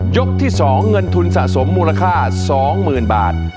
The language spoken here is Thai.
ยกที่สองเงินทุนสะสมมูลค่าสองหมื่นบาท